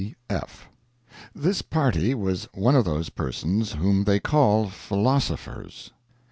B. F.] This party was one of those persons whom they call Philosophers.